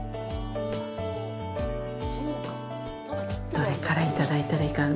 どれからいただいたらいいかな。